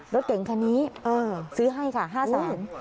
รถเก่งคันนี้ซื้อให้ค่ะ๕แสน